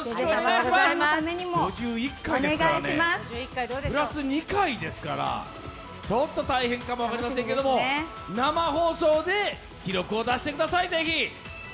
５１回、プラス２回ですからちょっと大変かも分かりませんけど生放送でぜひ記録を出してください。